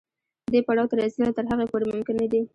دې پړاو ته رسېدل تر هغې پورې ممکن نه دي.